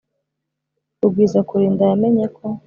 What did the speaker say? Rugwizakurinda yamenye ko